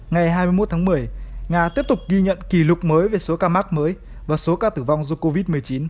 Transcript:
ngày hai mươi một tháng một mươi nga tiếp tục ghi nhận kỷ lục mới về số ca mắc mới và số ca tử vong do covid một mươi chín